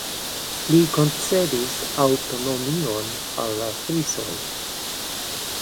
Li koncedis aŭtonomion al la Frisoj.